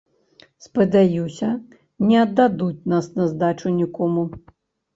Спадзяюся, не аддадуць нас на здачу нікому.